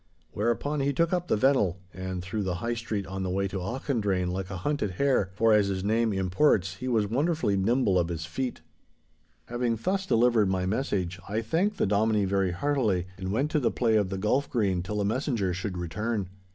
Whereupon he took up the Vennel and through the High Street on the way to Auchendrayne like a hunted hare, for, as his name imports, he was wonderfully nimble of his feet. Having thus delivered my message, I thanked the Dominie very heartily, and went to the play of the golf green till the messenger should return.